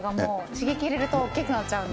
刺激入れるとおっきくなっちゃうんで。